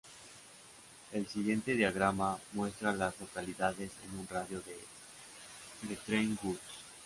El siguiente diagrama muestra a las localidades en un radio de de Trent Woods.